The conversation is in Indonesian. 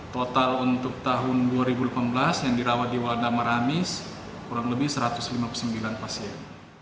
total untuk tahun dua ribu delapan belas yang dirawat di wada maramis kurang lebih satu ratus lima puluh sembilan pasien